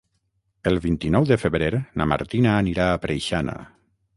El vint-i-nou de febrer na Martina anirà a Preixana.